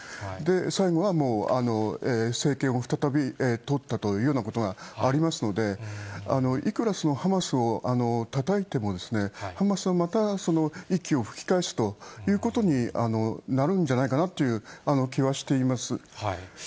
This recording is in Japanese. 最後はもう政権を再びとったというようなことがありますので、いくらハマスをたたいても、ハマスはまた息を吹き返すということになるんじゃないかなっていう気はしています。